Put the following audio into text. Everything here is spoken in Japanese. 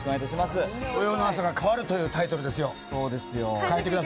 土曜の朝が変わるというタイそうですよ。